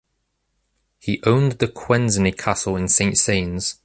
He owned the Quesnay Castle in Saint-Saëns.